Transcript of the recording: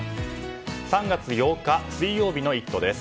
３月８日水曜日の「イット！」です。